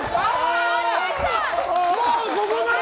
もうここまで！